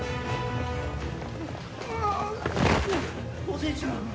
おじいちゃん！